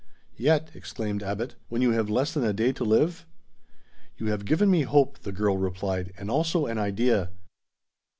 "'Yet'?" exclaimed Abbot, "when you have less than a day to live?" "You have given me hope," the girl replied, "and also an idea.